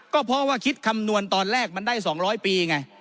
ก็เพราะว่าคิดคำนวณตอนแรกมันได้๒๐๐ปีไง